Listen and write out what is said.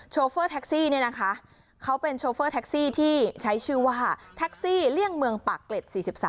โฟเฟอร์แท็กซี่เนี่ยนะคะเขาเป็นโชเฟอร์แท็กซี่ที่ใช้ชื่อว่าแท็กซี่เลี่ยงเมืองปากเกร็ด๔๓